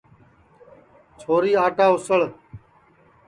چھوری آٹا اُسݪ